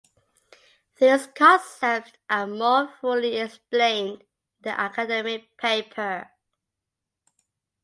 These concepts are more fully explained in an academic paper.